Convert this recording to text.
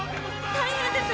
・大変です！